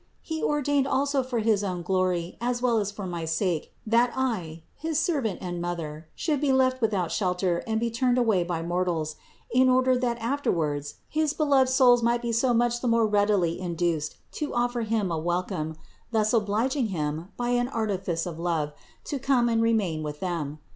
He ordained also for his own glory as well as for my sake that I, his Servant and Mother, should be left without shelter and be turned away by mortals, in order that afterwards his beloved THE INCARNATION 391 souls might be so much the more readily induced to offer Him a welcome, thus obliging Him, by an artifice of love, to come and remain with them.